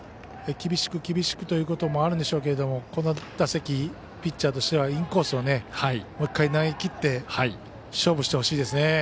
厳しく厳しくということもあるんでしょうがこの打席、ピッチャーとしてはインコースをもう１回、投げきって勝負してほしいですね。